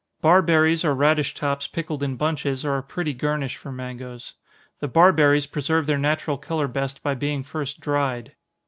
Barberries or radish tops pickled in bunches, are a pretty garnish for mangoes. The barberries preserve their natural color best by being first dried.